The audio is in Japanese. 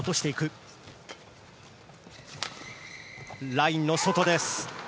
ラインの外です。